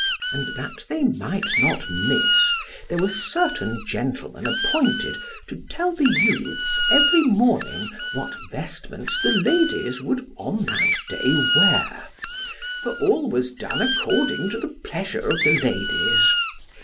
And that they might not miss, there were certain gentlemen appointed to tell the youths every morning what vestments the ladies would on that day wear: for all was done according to the pleasure of the ladies.